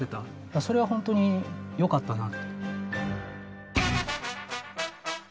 それは本当によかったなと。